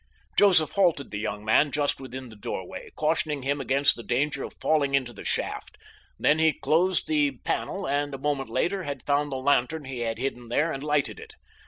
Joseph halted the young man just within the doorway, cautioning him against the danger of falling into the shaft, then he closed the panel, and a moment later had found the lantern he had hidden there and lighted it.